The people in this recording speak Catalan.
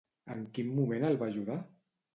En quin moment el va ajudar?